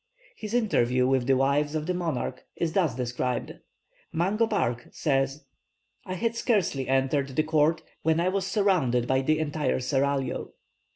His interview with the wives of the monarch is thus described. Mungo Park says, "I had scarcely entered the court, when I was surrounded by the entire seraglio.